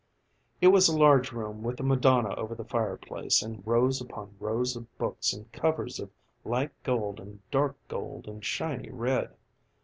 It was a large room with a Madonna over the fireplace and rows upon rows of books in covers of light gold and dark gold and shiny red.